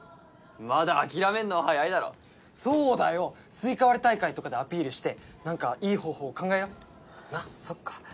まだ諦めるのは早いだろそうだよスイカ割り大会とかでアピールしてなんかいい方法を考えよそっかだよね